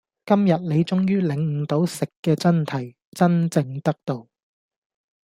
今日你終於領悟到食嘅真諦，真正得道